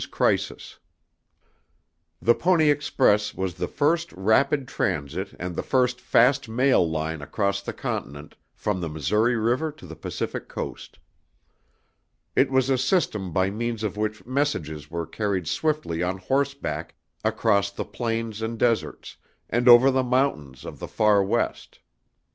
The Story of the Pony Express Chapter I At A Nation's Crisis The Pony Express was the first rapid transit and the first fast mail line across the continent from the Missouri River to the Pacific Coast. It was a system by means of which messages were carried swiftly on horseback across the plains and deserts, and over the mountains of the far West.